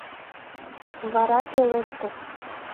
Вара пелештыш: